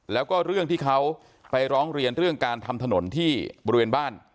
แล้วก็เรื่องที่เขาไปร้องเรียนเรื่องการทำถนนที่บริเวณบ้าน